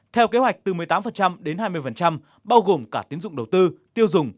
theo kế hoạch từ một mươi tám đến hai mươi bao gồm cả tiến dụng đầu tư tiêu dùng